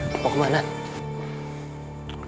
lo pas mau kemana